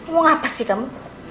mau ngapas sih kamu